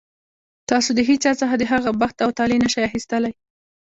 تاسو د هېچا څخه د هغه بخت او طالع نه شئ اخیستلی.